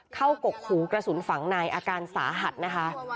กกหูกระสุนฝังในอาการสาหัสนะคะ